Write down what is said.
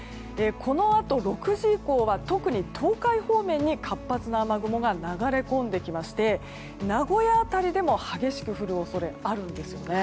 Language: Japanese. このあと６時以降は特に東海方面に活発な雨雲が流れ込んできまして名古屋辺りでも激しく降る恐れあるんですよね。